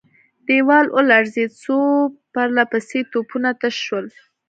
دېوال ولړزېد، څو پرله پسې توپونه تش شول.